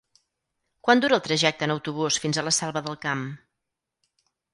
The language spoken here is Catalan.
Quant dura el trajecte en autobús fins a la Selva del Camp?